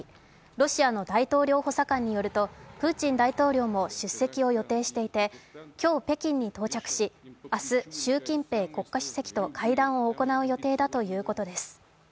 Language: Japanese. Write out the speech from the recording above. ロシアの大統領補佐官によりますと、プーチン大統領も出席を予定していて、今日、北京に到着し、明日、習近平国家主席と会談を行う予定だということです。